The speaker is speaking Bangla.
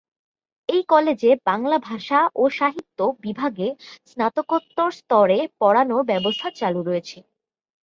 এই কলেজে "বাংলা ভাষা ও সাহিত্য" বিভাগে স্নাতকোত্তর স্তরে পড়ানোর ব্যবস্থা চালু রয়েছে।